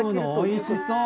おいしそう！